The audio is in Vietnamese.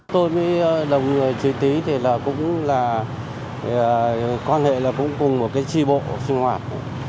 tôi với đồng người trí tý thì là cũng là quan hệ là cũng cùng một cái tri bộ sinh hoạt